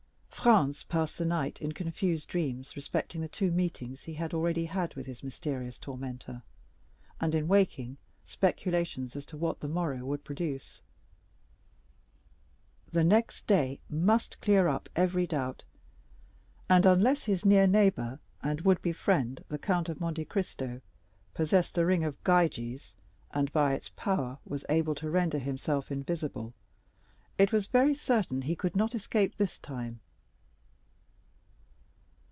Franz passed the night in confused dreams respecting the two meetings he had already had with his mysterious tormentor, and in waking speculations as to what the morrow would produce. The next day must clear up every doubt; and unless his near neighbor and would be friend, the Count of Monte Cristo, possessed the ring of Gyges, and by its power was able to render himself invisible, it was very certain he could not escape this time.